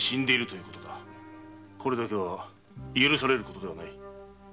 これだけは許されることではない。